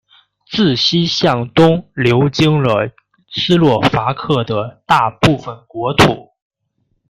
自西向东流经了斯洛伐克的大部分国土。